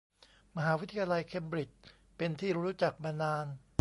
มหาวิทยาลัยเคมบริดจ์เป็นที่รู้จักมานาน